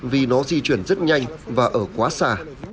vì nó di chuyển rất nhanh và ở quá xa